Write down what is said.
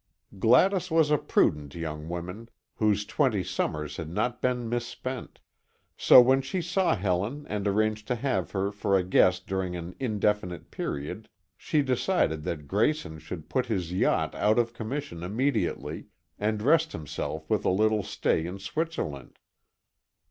Gladys was a prudent young women, whose twenty summers had not been misspent; so, when she saw Helen and arranged to have her for a guest during an indefinite period, she decided that Grayson should put his yacht out of commission immediately, and rest himself with a little stay in Switzerland.